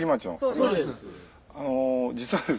そうです。